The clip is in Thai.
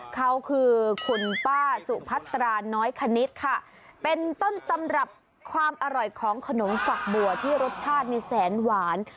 เขาคือคุณป้าสุพัตราน้อยคณิตค่ะเป็นต้นตำรับความอร่อยของขนมฝักบัวที่รสชาตินี่แสนหวาน